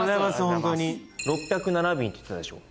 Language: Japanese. ホントに「６０７便」って言ってたでしょ？